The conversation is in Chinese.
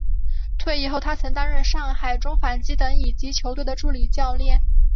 退役后他曾经担任上海中纺机等乙级球队的助理教练。